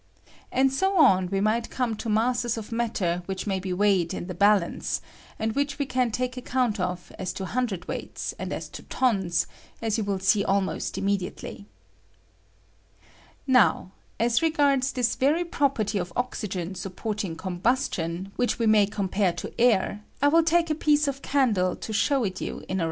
And bo on we might come to masses of matter which may be weighed in the balance, and which we can take account of as to hundred weights and aa to tons, aa you will see almost immediately. Now, as regards this very property of oxygen Iaupporting combustion, which we may compare to air, I will take a piece of candle to show it i 114 COMBUSTION OF A CANDLE IN OXYGEN. you in a.